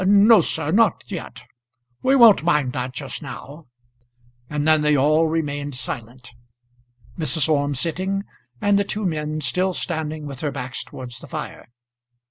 "No, sir; not yet. We won't mind that just now." And then they all remained silent, Mrs. Orme sitting, and the two men still standing with their backs towards the fire.